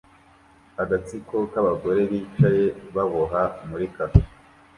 Agatsiko k'abagore bicaye baboha muri cafe